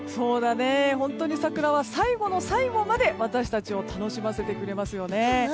本当に桜は最後の最後まで私たちを楽しませてくれますよね。